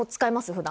普段。